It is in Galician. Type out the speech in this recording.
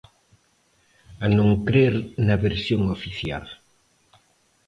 A non crer na versión oficial.